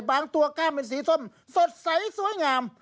บางตัวกล้ามเป็นสีส้มสดใสสวยงาม